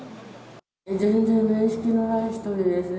全然面識のない人ですね。